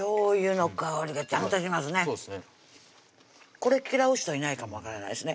これ嫌う人いないかもわからないですね